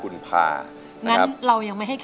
อเรนนี่คือเหตุการณ์เริ่มต้นหลอนช่วงแรกแล้วมีอะไรอีก